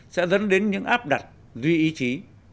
sẽ dẫn đến những áp đặt duy ý chí